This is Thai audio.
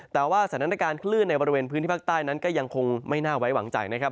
แต่ว่าสถานการณ์คลื่นในบริเวณพื้นที่ภาคใต้นั้นก็ยังคงไม่น่าไว้วางใจนะครับ